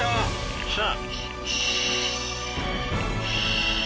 よっしゃ。